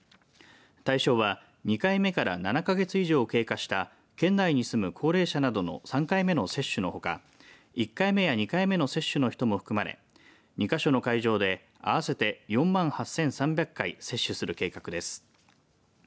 対象は２回目から７か月以上経過した県内に住む高齢者などの３回目の接種後か１回目や２回目の接種の人も含まれ２か所の会場で合わせて４万８３００回接種する計画です。